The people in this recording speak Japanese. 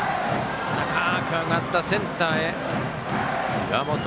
高く上がった、センターへ、岩本。